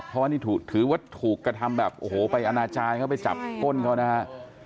เพราะว่านี่ถือว่าถูกกระทำแบบโอ้โหไปอนาจารย์เขาไปจับก้นเขานะฮะ